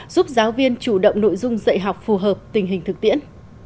giúp giáo viên chủ động nội dung dạy học phù hợp tình hình thực tiễn